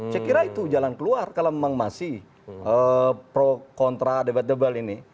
saya kira itu jalan keluar kalau memang masih pro kontra debatable ini